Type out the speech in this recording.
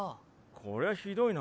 こりゃひどいな。